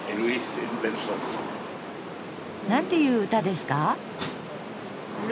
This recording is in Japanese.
なんていう歌ですか？